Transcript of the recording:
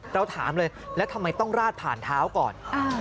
เราถามเลยแล้วทำไมต้องราดผ่านเท้าก่อน